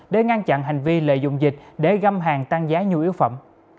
để ngăn chặn hành vi lợi dụng dịch để găm hàng tăng giá nhu yếu phẩm